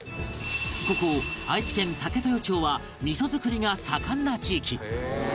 ここ愛知県武豊町は味作りが盛んな地域